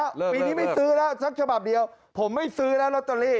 เลยปีนี้ไม่ซื้อแล้วสักฉบับเดียวผมไม่ซื้อแล้วลอตเตอรี่